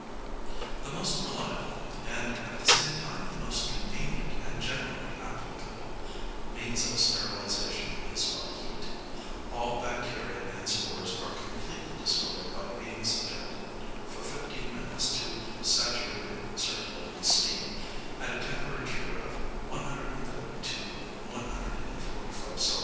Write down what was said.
# The most reliable, and at the same time the most convenient and generally applicable, means of sterilisation is by heat. All bacteria and spores are completely destroyed by being subjected for fifteen minutes to saturated circulating steam at a temperature of 130° to 145° C.